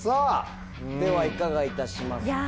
ではいかがいたしますか？